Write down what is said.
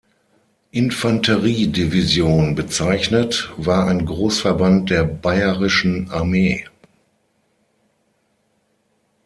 Infanterie-Division" bezeichnet, war ein Großverband der Bayerischen Armee.